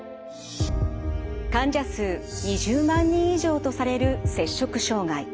患者数２０万人以上とされる摂食障害。